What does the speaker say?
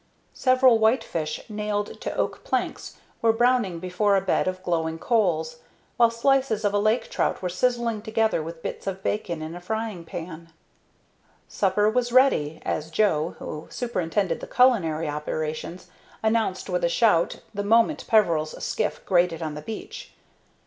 Several white fish nailed to oak planks were browning before a bed of glowing coals, while slices of a lake trout were sizzling together with bits of bacon in the frying pan. Supper was ready, as Joe, who superintended the culinary operations, announced with a shout the moment Peveril's skiff grated on the beach.